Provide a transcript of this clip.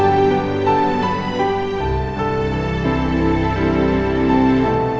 kamu sudah niksan jika mau malas